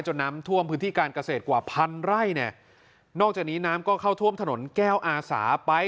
น้ำท่วมพื้นที่การเกษตรกว่าพันไร่เนี่ยนอกจากนี้น้ำก็เข้าท่วมถนนแก้วอาสาไป